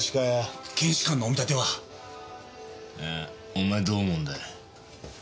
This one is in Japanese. お前どう思うんだよ？